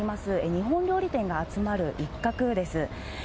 日本料理店が集まる一角です。